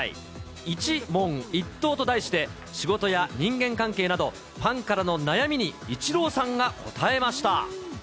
イチ問一答と題して、仕事や人間関係など、ファンからの悩みにイチローさんが答えました。